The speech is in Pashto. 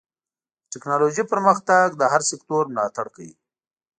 د ټکنالوجۍ پرمختګ د هر سکتور ملاتړ کوي.